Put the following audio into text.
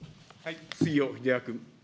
杉尾秀哉君。